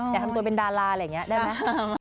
อยากทำตัวเป็นดาราได้ไหม